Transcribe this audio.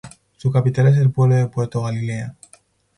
Su capital es el pueblo de Puerto Galilea.